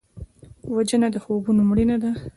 وژنه د خوبونو مړینه ده